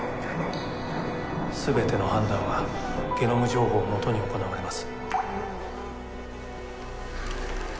全ての判断はゲノム情報をもとに行われます。